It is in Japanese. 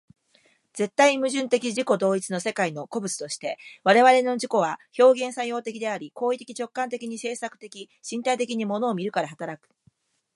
絶対矛盾的自己同一の世界の個物として、我々の自己は表現作用的であり、行為的直観的に制作的身体的に物を見るから働く。